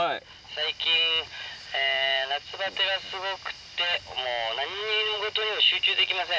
最近、夏バテがすごくて、もう何事にも集中できません。